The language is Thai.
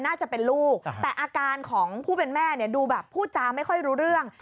น่าจะเป็นลูกแต่อาการของผู้เป็นแม่เนี่ยดูแบบพูดจาไม่ค่อยรู้เรื่อง